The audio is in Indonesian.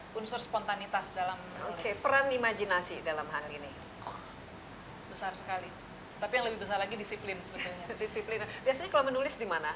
biasanya kalau menulis di mana